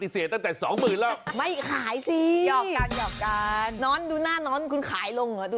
แสนด้วย